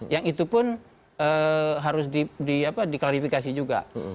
yang itu pun harus diklarifikasi juga